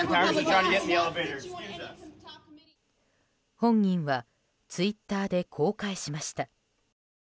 本人はツイッターでこう返しました。